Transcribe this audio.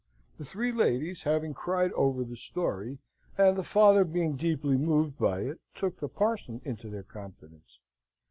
The three ladies having cried over the story, and the father being deeply moved by it, took the parson into their confidence.